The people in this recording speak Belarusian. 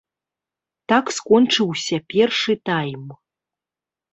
Так скончыўся першы тайм.